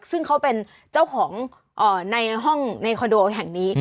ซึ่งเขาเป็นเจ้าของในห้องในคอนโดแห่งนี้